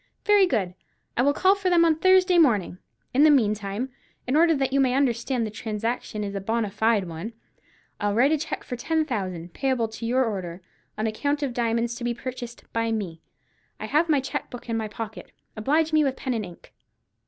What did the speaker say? "Very good. I will call for them on Thursday morning. In the meantime, in order that you may understand that the transaction is a bonâ fide one, I'll write a cheque for ten thousand, payable to your order, on account of diamonds to be purchased by me. I have my cheque book in my pocket. Oblige me with pen and ink."